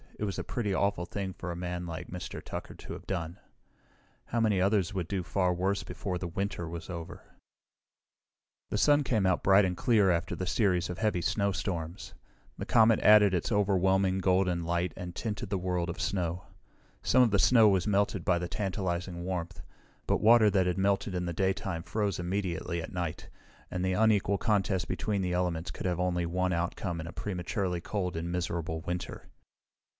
It was a pretty awful thing for a man like Mr. Tucker to have done. How many others would do far worse before the winter was over? The sun came out bright and clear after the series of heavy snowstorms. The comet added its overwhelming, golden light and tinted the world of snow. Some of the snow was melted by the tantalizing warmth, but water that had melted in the daytime froze immediately at night, and the unequal contest between the elements could have only one outcome in a prematurely cold and miserable winter.